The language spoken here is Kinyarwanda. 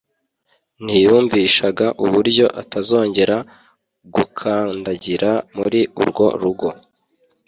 ntiyumvishaga uburyo atazongera gukandagira muri urwo rugo